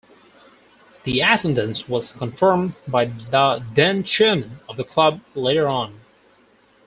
The attendance was confirmed by the then chairman of the club later on.